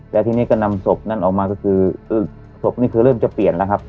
แล้วทีนี้ก็นำศพนั้นออกมาก็คือศพนี่คือเริ่มจะเปลี่ยนแล้วครับ